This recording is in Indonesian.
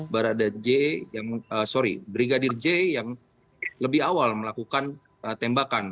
barada j yang sorry brigadir j yang lebih awal melakukan tembakan